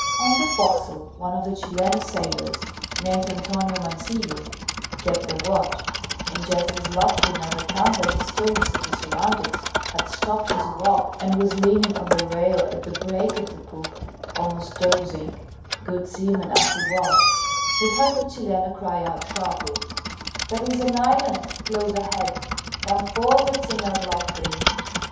On the foc's'cle, one of the Chileno sailors, named Antonio Mancillo, kept the watch, and just as Loftgreen, overcome by the stillness of his surroundings, had stopped his walk and was leaning on the rail at the break of the poop, almost dozing good seaman as he was he heard the Chileno cry out sharply "There is an island close ahead! Come for'ard, Senor Loftgreen."